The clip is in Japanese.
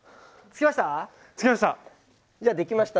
つきました。